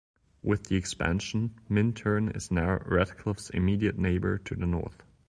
With the expansion, Minturn is now Red Cliff's immediate neighbor to the north.